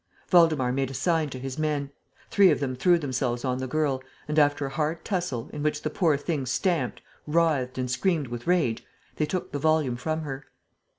Waldemar made a sign to his men. Three of them threw themselves on the girl and, after a hard tussle, in which the poor thing stamped, writhed and screamed with rage, they took the volume from her.